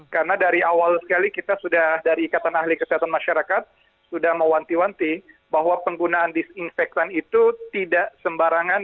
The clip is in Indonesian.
karena dari awal sekali kita sudah dari ikatan ahli kesehatan masyarakat sudah mewanti wanti bahwa penggunaan disinfektan itu tidak sembarangan